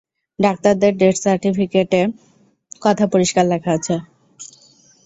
ডাক্তারদের ডেথ সার্টিফিকেটে এ-কথা পরিষ্কার লেখা আছে।